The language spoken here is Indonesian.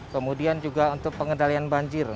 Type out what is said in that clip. kemudian juga untuk pengendalian banjir